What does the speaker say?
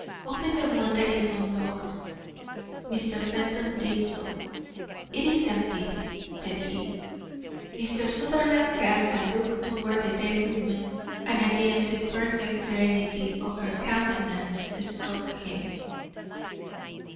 "Open the one that is unlocked." Mr. Fenton did so. "It is empty," said he. Mr. Sutherland cast a look toward the dead woman, and again the perfect serenity of her countenance struck him.